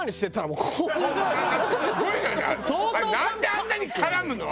なんであんなに絡むの？